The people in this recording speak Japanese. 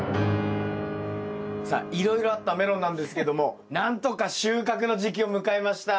さあいろいろあったメロンなんですけども何とか収穫の時期を迎えました。